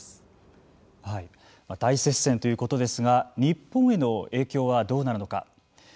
大接戦ということですが日本への影響はどうなるのか。